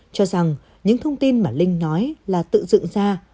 cho rằng những thông tin mà linh nói là tự dựng ra